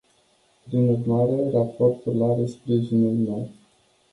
Prin urmare, raportul are sprijinul meu.